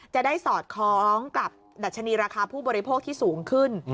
จะได้สอดคล้องกับดัชนีราคาผู้บริโภคที่สูงขึ้น